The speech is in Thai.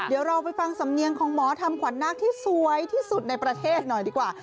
เดี๋ยวเราไปฟังสำเนียงของหมอทำขวัญนาคที่สวยที่สุดในประเทศหน่อยดีกว่า